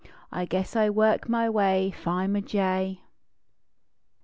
I guess I work my wav F I am a jay.